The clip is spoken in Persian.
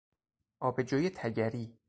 آبجوی تگری